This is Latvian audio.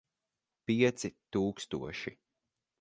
Pieci tūkstoši.